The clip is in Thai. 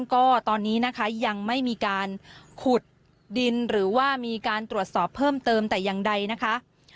ก็ตอนนี้นะคะยังไม่มีการขุดดินหรือว่ามีการตรวจสอบเพิ่มเติมแต่อย่างใดนะคะ